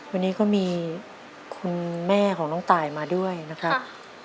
วันนี้ก็มีคุณแม่ของน้องตายมาด้วยนะครับ